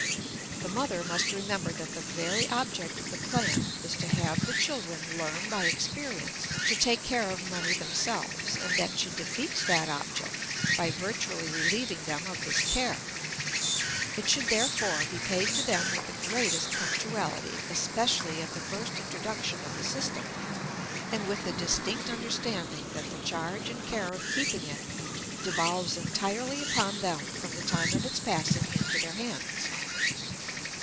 The mother must remember that the very object of the plan is to have the children learn by experience to take care of money themselves, and that she defeats that object by virtually relieving them of this care. It should, therefore, be paid to them with the greatest punctuality, especially at the first introduction of the system, and with the distinct understanding that the charge and care of keeping it devolves entirely upon them from the time of its passing into their hands.